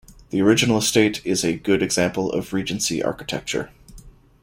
The original estate is a good example of Regency architecture.